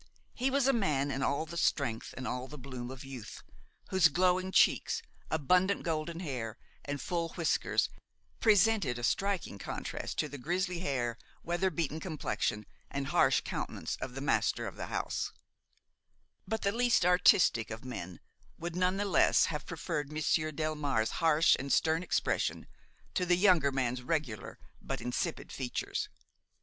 He was a man in all the strength and all the bloom of youth, whose glowing cheeks, abundant golden hair and full whiskers presented a striking contrast to the grizzly hair, weather beaten complexion and harsh countenance of the master of the house; but the least artistic of men would none the less have preferred Monsieur Delmare's harsh and stern expression to the younger man's regular but insipid features.